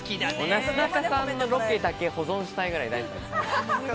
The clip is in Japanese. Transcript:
なすなかさんのロケだけ保存したいぐらい大好き。